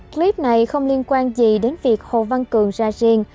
clip này không liên quan gì đến việc hồ văn cường ra riêng